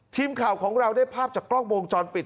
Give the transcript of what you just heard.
ทีมข่าวของเราได้ภาพจากกล้องวงจรปิด